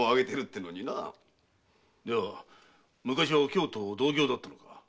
では昔はお京と同業だったのか。